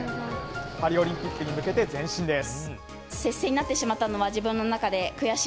パリオリンピックに向けて前進です。